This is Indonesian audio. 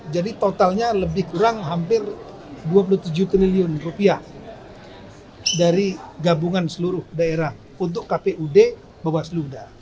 jadi totalnya lebih kurang hampir dua puluh tujuh triliun rupiah dari gabungan seluruh daerah untuk kpud bawaslu